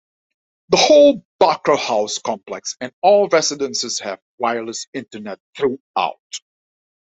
The whole Barker house complex and all residences have wireless internet throughout.